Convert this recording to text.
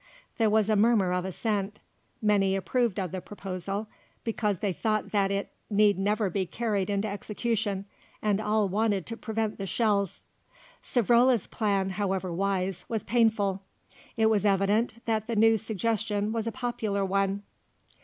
There was a murmur of assent. Many approved of the proposal, because they thought that it need never be carried into execution, and all wanted to prevent the shells. Savrola's plan, however wise, was painful. It was evident that the new suggestion was a popular one.